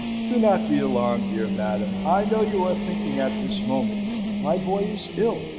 Do not be alarmed, dear madam! I know you are thinking at this moment, 'My boy is ill.